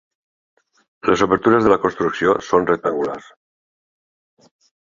Les obertures de la construcció són rectangulars.